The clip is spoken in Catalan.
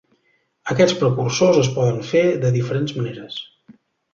Aquests precursors es poden fer de diferents maneres.